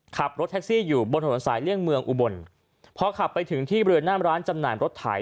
ขับรถแท็กซี่อยู่บนถนนสายเลี่ยงเมืองอุบลพอขับไปถึงที่บริเวณหน้ามร้านจำหน่ายรถไถ